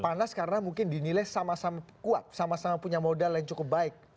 panas karena mungkin dinilai sama sama kuat sama sama punya modal yang cukup baik